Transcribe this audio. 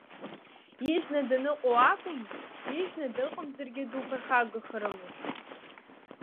Ижәны даныҟоу акәым ижәны дыҟамзаргьы дуԥырхагахарымызт.